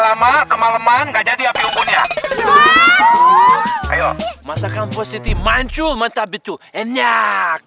lama kemaleman enggak jadi api unggunnya ayo masakan positif mancul mata betul enak